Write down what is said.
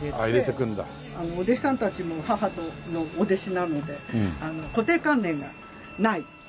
お弟子さんたちも母のお弟子なので固定観念がない。